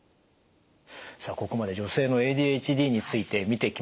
さあここまで女性のＡＤＨＤについて見てきました。